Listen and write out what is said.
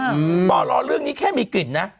อืมบอกเราเรื่องนี้แค่มีกลิ่นน่ะ